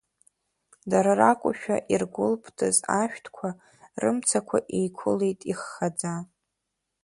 Дара ракәушәа иргәылптыз ашәҭқәа, рымцақәа еиқәылеит иххаӡа.